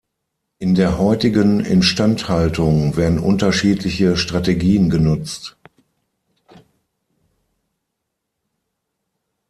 In der heutigen Instandhaltung werden unterschiedliche Strategien genutzt.